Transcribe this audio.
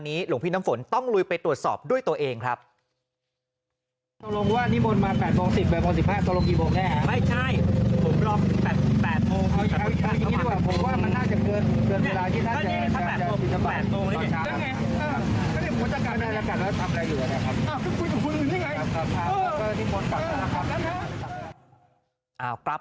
เดี๋ยวยังมีอีกคลิปหนึ่งด้วยนะที่มีการถกเถียงให้คุณผู้ชมรอดูนะครับ